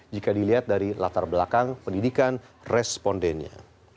jika dilihat dari latar belakang pendidikan respondennya